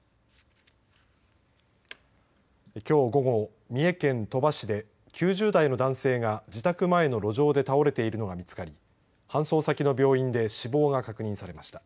きょう午後三重県鳥羽市で９０代の男性が自宅前の路上で倒れているのが見つかり搬送先の病院で死亡が確認されました。